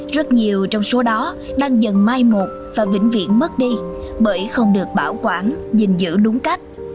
rất nhiều trong số đó đang dần mai một và vĩnh viễn mất đi bởi không được bảo quản dình giữ đúng cách